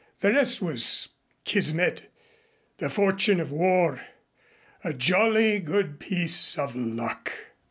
The rest was Kismet the fortune of war a jolly good piece of luck!